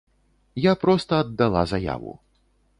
Я проста аддала заяву.